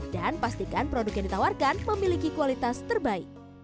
dan pastikan produk yang ditawarkan memiliki kualitas terbaik